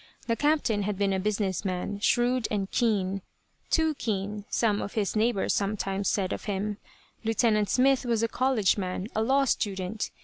The captain had been a business man, shrewd and keen, too keen some of his neighbors sometimes said of him. Lieutenant Smith was a college man, a law student.